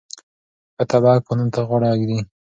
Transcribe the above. ښه تبعه قانون ته غاړه ږدي.